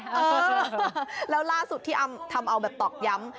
เออแล้วล่าสุดที่อำทำเอาแบบตอกย้ำ